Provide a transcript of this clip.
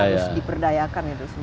harus diperdayakan itu semua